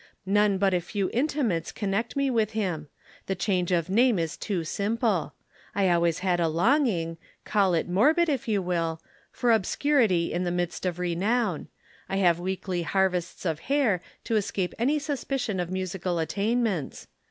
None but a few intimates connect me with him. The change of name is too simple. I always had a longing call it morbid if you will for obscurity in the midst of renown. I have weekly harvests of hair to escape any suspicion of musical attainments.